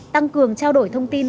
tăng cường trao đổi thông tin